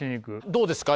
どうですか？